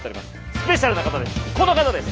スペシャルな方です。